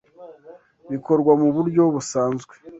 bikorwa mu buryo busanzwe.